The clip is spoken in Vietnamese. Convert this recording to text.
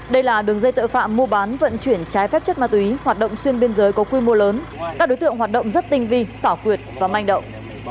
đây là đường dây tội phạm mua bán vận chuyển trái phép chất ma túy hoạt động xuyên biên giới có quy mô lớn các đối tượng hoạt động rất tinh vi xảo quyệt và manh động